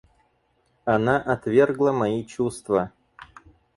Она отвергла мои чувства.